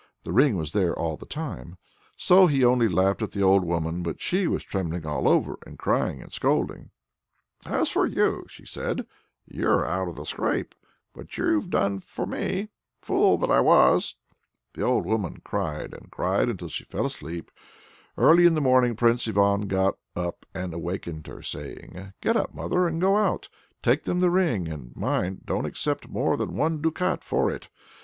The ring was there all the time. So he only laughed at the old woman, but she was trembling all over, and crying, and scolding him. "As for you," she said, "you're out of the scrape; but you've done for me, fool that I was!" The old woman cried and cried until she fell asleep. Early in the morning Prince Ivan got up and awakened her, saying: "Get up, mother, and go out! take them the ring, and mind, don't accept more than one ducat for it.